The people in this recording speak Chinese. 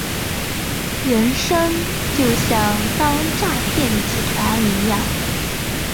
人生就像当诈骗集团一样